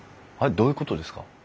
どういうことですか？